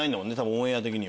オンエア的に。